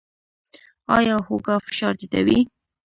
ایا هوږه فشار ټیټوي؟